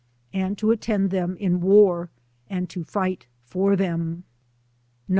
and to attend thera in war and to fight for them. 89 None b!